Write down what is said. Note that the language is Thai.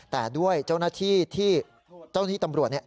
แต่ด้วยเจ้าหน้าที่ที่เจ้าหน้าที่ตำรวจเนี่ย